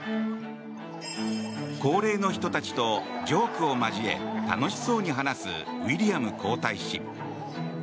高齢の人たちとジョークを交え楽しそうに話すウィリアム皇太子。